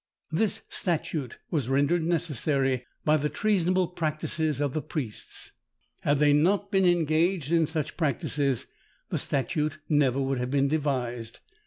This statute was rendered necessary by the treasonable practices of the priests. Had they not been engaged in such practices, the statute never would have been devised.